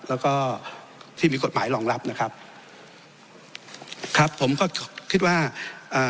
แล้วก็ที่มีกฎหมายรองรับนะครับครับผมก็คิดว่าอ่า